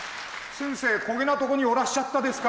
先生こげなとこにおらっしゃったですか。